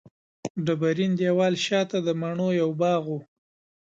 ډبرین دېوال شاته د مڼو یو باغ و.